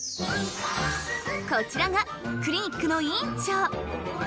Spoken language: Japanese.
こちらがクリニックの院長。